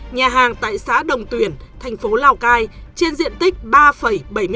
nhà hàng tại xã đồng tuyển thành phố lào cai trên diện tích ba bảy mươi bảy ha